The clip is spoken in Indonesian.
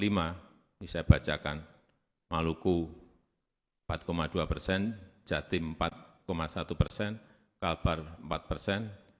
ini saya bacakan maluku empat dua persen jatim empat satu persen kalbar empat persen